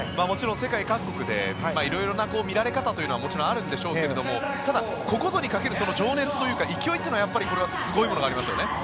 もちろん世界各国で色々な見られ方というのはもちろんあるんでしょうがただ、ここぞにかける情熱というか勢いというのはこれはすごいものがありますよね。